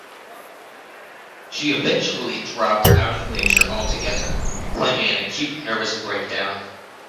She eventually dropped out of the picture altogether, claiming an acute nervous breakdown.